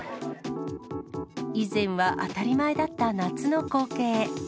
以前は当たり前だった夏の光景。